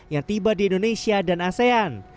yang tiba di indonesia dan asean